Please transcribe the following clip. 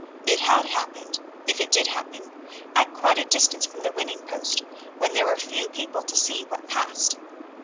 It had happened, if it did happen, at quite a distance from the winning post, when there were few people to see what passed.